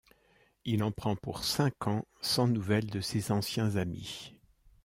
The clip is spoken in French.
Il en prend pour cinq ans, sans nouvelles de ses anciens amis.